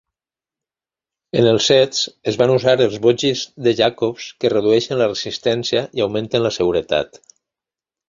En els sets es van usar els "bogis" de Jacobs, que redueixen la resistència i augmenten la seguretat.